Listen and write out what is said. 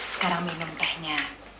sekarang minum tehnya